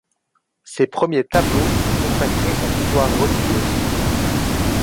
Ses premiers tableaux sont consacrés à l'histoire religieuse.